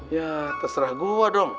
ya terserah gue dong